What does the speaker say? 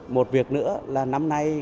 một việc nữa là năm nay